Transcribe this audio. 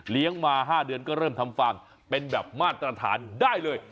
เลี้ยงมา๕เดือนก็เริ่มทำฟังเป็นแบบมาตรฐานได้เลย